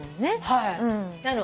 はい。